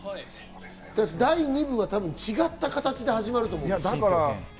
第二部は多分違った形で始まると思うんです。